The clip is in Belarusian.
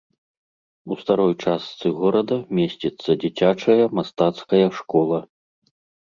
У старой частцы горада месціцца дзіцячая мастацкая школа.